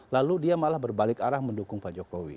lalu dia malah berbalik arah mendukung pak jokowi